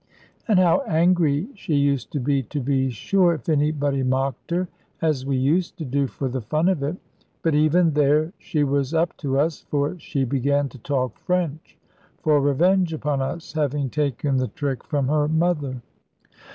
And how angry she used to be, to be sure, if anybody mocked her, as we used to do for the fun of it. But even there, she was up to us, for she began to talk French, for revenge upon us, having taken the trick from her mother.